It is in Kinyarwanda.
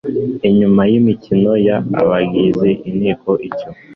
inyuma y imikono y abagize inteko Icyo